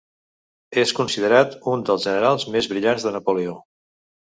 És considerat un dels generals més brillants de Napoleó.